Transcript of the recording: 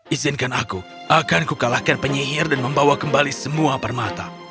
izinkan aku akan kukalahkan penyihir dan membawa kembali semua permata